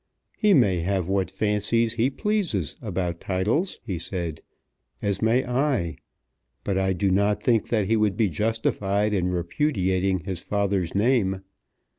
"He may have what fancies he pleases about titles," he said, "as may I; but I do not think that he would be justified in repudiating his father's name.